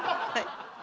はい。